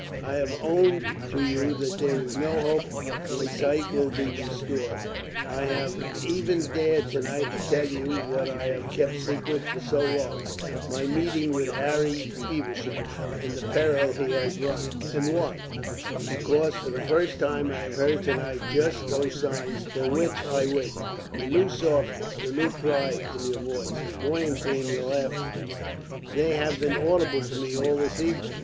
I have owned to you that there is no hope my sight will be restored. I have even dared to night to tell you what I have kept secret for so long, my meeting with Harry Feversham and the peril he has run. And why? Because for the first time I have heard to night just those signs for which I waited. The new softness, the new pride, in your voice, the buoyancy in your laughter they have been audible to me all this evening.